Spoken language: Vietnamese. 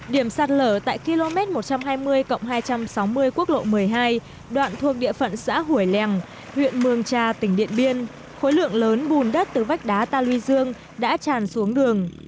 điểm sạt lở tại km một trăm hai mươi hai trăm sáu mươi quốc lộ một mươi hai đoạn thuộc địa phận xã hủy lèng huyện mường trà tỉnh điện biên khối lượng lớn bùn đất từ vách đá ta luy dương đã tràn xuống đường